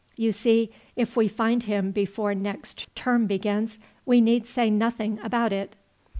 You see, if we find him before next term begins, we need say nothing about it."